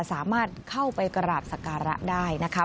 สามารถเข้าไปกระหลาดศักระได้นะคะ